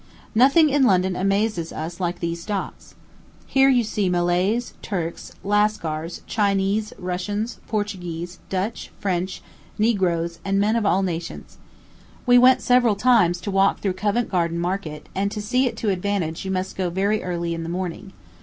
Nothing in London amazes us like these docks. Here you see Malays, Turks, Lascars, Chinese, Russians, Portuguese, Dutch, French, Negroes, and men of all nations. We went several times to walk through Covent Garden Market, and to see it to advantage you must go very early in the morning.